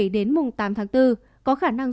đến mùng tám tháng bốn có khả năng